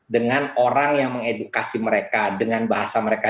dengan orang yang mengedukasi mereka dengan bahasa mereka